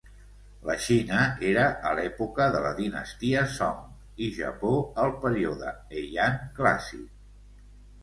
La Xina era a l'època de la dinastia Song i Japó al període Heian clàssic.